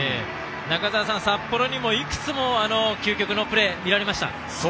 中澤さん、札幌にもいくつも究極のプレーが見られました。